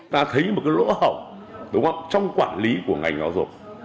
ta thấy một cái lỗ hỏng đúng không trong quản lý của ngành đó rồi